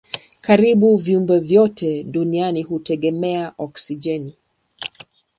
Karibu viumbe vyote duniani hutegemea oksijeni.